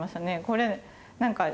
これ何か。